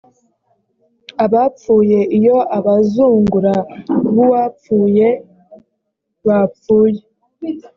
abapfuye iyo abazungura b uwapfuye bapfuye